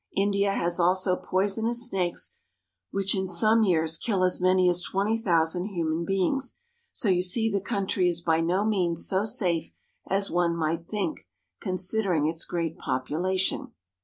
India has also poisonous snakes which in some years kill as many as twenty thousand human beings, so you see the country is by no means so safe as one might think, consid ering its great population.